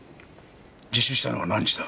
自首したのは何時だ？